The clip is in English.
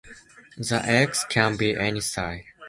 The eggs can be any style.